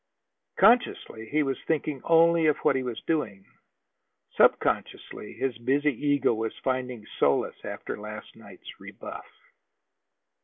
Consciously he was thinking only of what he was doing. Subconsciously his busy ego was finding solace after last night's rebuff.